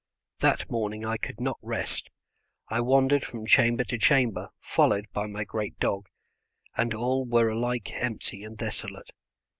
That morning I could not rest: I wandered from chamber to chamber, followed by my great dog, and all were alike empty and desolate.